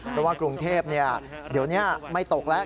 เพราะว่ากรุงเทพเดี๋ยวนี้ไม่ตกแล้ว